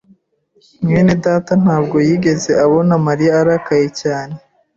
[S] mwene data ntabwo yigeze abona Mariya arakaye cyane.